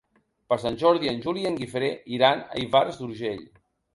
Per Sant Jordi en Juli i en Guifré iran a Ivars d'Urgell.